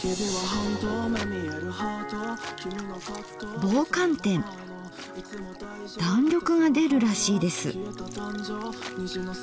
弾力が出るらしいです。